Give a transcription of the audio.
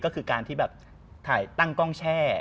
ก็คือการที่แบบถ่ายตั้งกล้องแช่